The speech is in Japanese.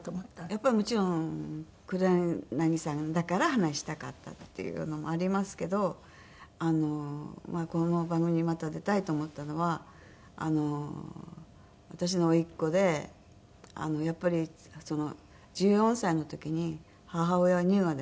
やっぱりもちろん黒柳さんだから話したかったっていうのもありますけどあのこの番組にまた出たいと思ったのは私の甥っ子でやっぱり１４歳の時に母親を乳がんで亡くしてるんですけど。